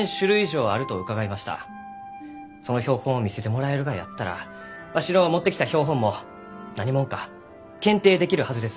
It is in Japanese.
その標本を見せてもらえるがやったらわしの持ってきた標本も何もんか検定できるはずです。